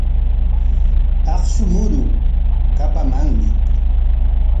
Akshu muruu kapamanmi.